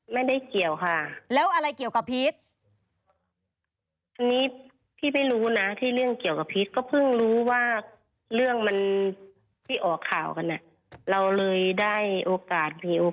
ไม่เกี่ยวกับพีชเลยใช่ไหม